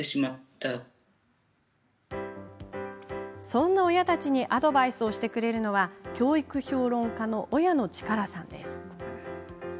そんな親たちにアドバイスしてくれるのは教育評論家の親野智可等さんです。